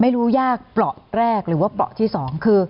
ไม่รู้ยากปล่อแรกหรือว่าปล่อที่สองคือ